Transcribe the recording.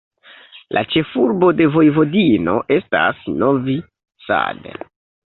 La ĉefurbo de Vojvodino estas Novi Sad.